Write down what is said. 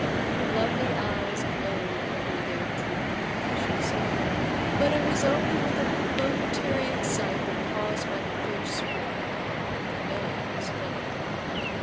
Her lovely eyes glowed under their drooping lashes, but it was only with a momentary excitement caused by the fierce sport; the man was nothing.